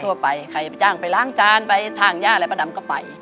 ใครไปจ้างไปล้างจานไปทางย่าแล้วป้าดำก็ไป